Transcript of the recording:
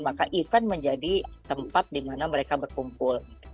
maka event menjadi tempat di mana mereka berkumpul